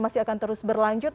masih akan terus berlanjut